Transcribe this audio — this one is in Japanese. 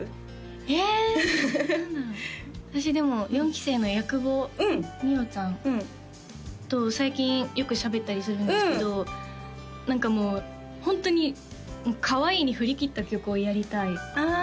え何だろう私でも４期生の矢久保美緒ちゃんと最近よくしゃべったりするんですけど何かもうホントにかわいいに振り切った曲をやりたいあ